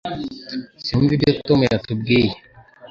Sinumva ibyo Tom yatubwiye